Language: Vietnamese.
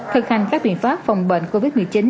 thực hành các biện pháp phòng bệnh covid một mươi chín